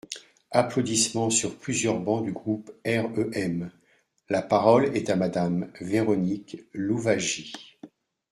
(Applaudissements sur plusieurs bancs du groupe REM.) La parole est à Madame Véronique Louwagie.